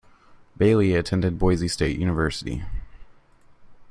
Bailey attended Boise State University.